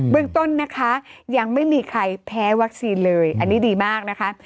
เรื่องต้นนะคะยังไม่มีใครแพ้วัคซีนเลยอันนี้ดีมากนะคะ